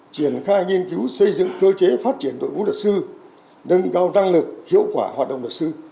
triển khai nghiên cứu xây dựng cơ chế phát triển đội ngũ luật sư nâng cao năng lực hiệu quả hoạt động luật sư